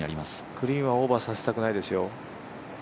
グリーンはオーバーさせたくないですよ。